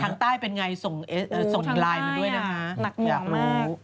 ทางใต้เป็นอย่างไรส่งอีกลายมาด้วยนะคะ